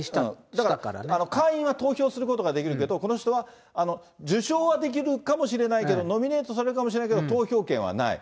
だから会員は投票することができるけど、この人は受賞はできるかもしれないけど、ノミネートされるかもしれないけど、投票権はない。